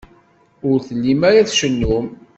Ur tellim ara tcennum.